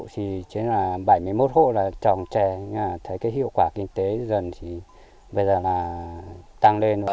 thì bảy mươi một hộ trồng trẻ thấy hiệu quả kinh tế dần tăng lên